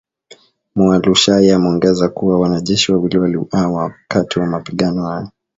Mualushayi ameongeza kuwa, wanajeshi wawili waliuawa wakati wa mapigano hayo.